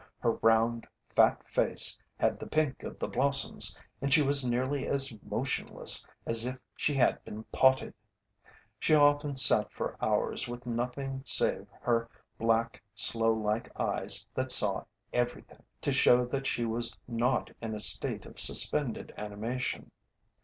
Her round, fat face had the pink of the blossoms and she was nearly as motionless as if she had been potted. She often sat for hours with nothing save her black, sloe like eyes that saw everything, to show that she was not in a state of suspended animation.